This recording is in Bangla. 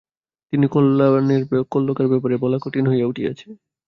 কিন্তু কল্যকার ব্যাপারের পর বলা কঠিন হইয়া উঠিয়াছে।